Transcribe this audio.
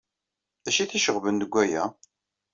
D acu ay t-iceɣben deg waya?